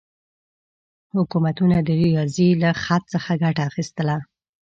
حکومتونه د ریاضي له خط څخه ګټه اخیستله.